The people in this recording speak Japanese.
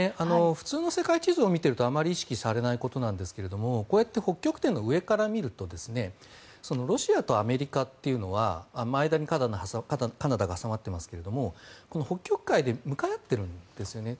普通の世界地図を見ているとあまり意識されないことですがこうやって北極点の上から見るとロシアとアメリカというのは間にカナダが挟まっていますが北極海で向かい合っているんですよね。